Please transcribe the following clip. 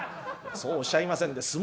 「そうおっしゃいませんで。